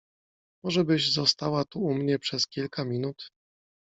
Może byś została tu u mnie przez kilka minut?